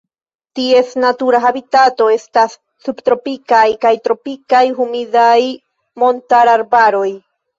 Ties natura habitato estas subtropikaj kaj tropikaj humidaj montararbaroj.